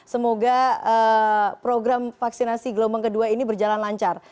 semoga program vaksinasi gelombang kedua ini berjalan lancar